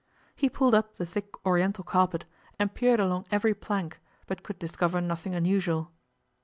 He pulled up the thick Oriental carpet, and peered along every plank, but could discover nothing unusual.